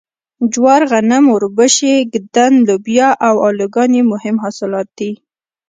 جوار غنم اوربشې ږدن لوبیا او الوګان یې مهم حاصلات دي.